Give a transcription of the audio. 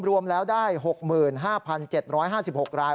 รวมแล้วได้๖๕๗๕๖ราย